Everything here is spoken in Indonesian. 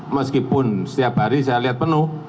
meskipun setiap hari saya lihat penuh